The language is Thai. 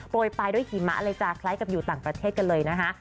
ไปด้วยหิมะเลยจ้ะคล้ายกับอยู่ต่างประเทศกันเลยนะคะ